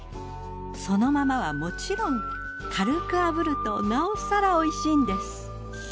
そのままはもちろん軽く炙るとなおさら美味しいんです。